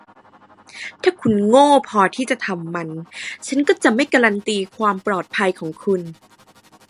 ถ้าคุณโง่พอที่จะทำมัน ฉันก็จะไม่การันตีความปลอดภัยของคุณ